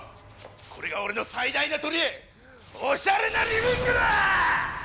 これが俺の最大のとりえおしゃれなリビングだ！！